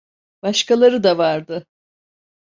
Başkaları da vardı.